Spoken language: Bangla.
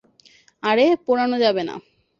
আরে, পোড়ানো যাবে না।